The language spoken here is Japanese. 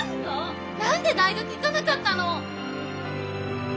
何で大学行かなかったの？